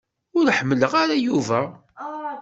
Ur ḥemmleɣ ara Yuba.